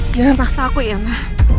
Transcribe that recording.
jangan paksa aku ya mbak